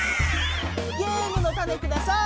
ゲームのタネください！